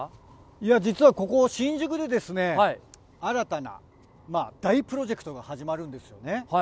いや、実はここ、新宿でですね、新たなまあ、大プロジェクトが始まるんですよね。